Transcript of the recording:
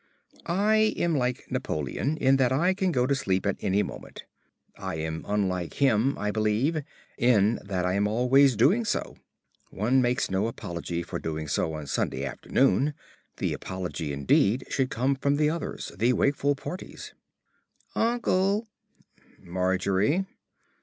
_"] I am like Napoleon in that I can go to sleep at any moment; I am unlike him (I believe) in that I am always doing so. One makes no apology for doing so on Sunday afternoon; the apology indeed should come from the others, the wakeful parties.... "Uncle!" "Margery."